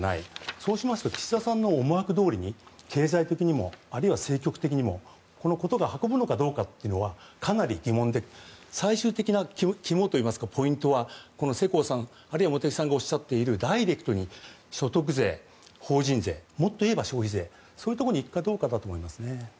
そうすると岸田さんの思惑どおりに経済的にもあるいは政局的にも事が運ぶかというのはかなり疑問で最終的なポイントは世耕さん、あるいは茂木さんがおっしゃっているダイレクトに所得税、法人税もっといえば消費税そういうところに行くかどうかだと思いますね。